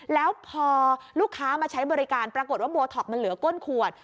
แล้วพอลูกค้ามาใช้บริการปรากฏว่าโบท็อกมันเหลือก้นขวด